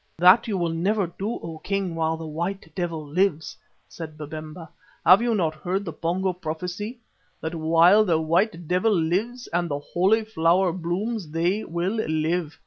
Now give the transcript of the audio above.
"That you will never do, O King, while the White Devil lives," said Babemba. "Have you not heard the Pongo prophecy, that while the White Devil lives and the Holy Flower blooms, they will live.